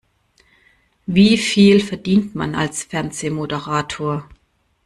Wie viel verdient man als Fernsehmoderator?